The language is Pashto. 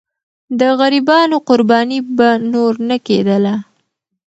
د غریبانو قرباني به نور نه کېدله.